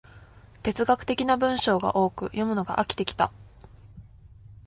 哲学的な文章が多く、読むのが飽きてきた